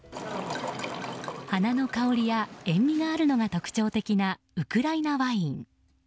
花の香りや塩みがあるのが特徴的なウクライナワイン。